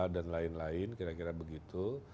dan lain lain kira kira begitu